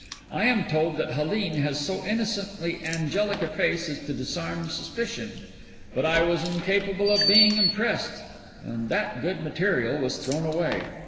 I am told that Helene has so innocently angelic a face as to disarm suspicion, but I was incapable of being impressed and that good material was thrown away.